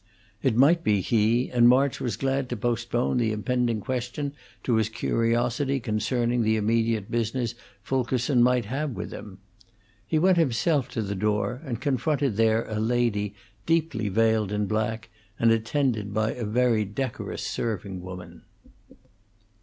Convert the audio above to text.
It might be he, and March was glad to postpone the impending question to his curiosity concerning the immediate business Fulkerson might have with him. He went himself to the door, and confronted there a lady deeply veiled in black and attended by a very decorous serving woman.